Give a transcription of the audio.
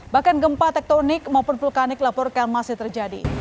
bahkan gempa tektonik maupun vulkanik laporkan masih terjadi